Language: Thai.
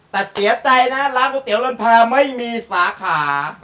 แต่เสียใจนะร้านกระเตี๋ยวเฮือนแพ้ไม่มีสาขา